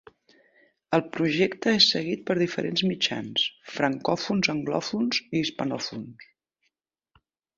El projecte és seguit per diferents mitjans, francòfons, anglòfons i hispanòfons.